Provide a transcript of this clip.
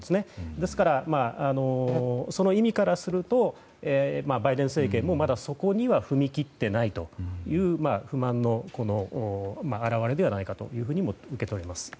ですから、その意味からするとバイデン政権もまだそこには踏み切っていないという不満の表れではないかとも受け取れます。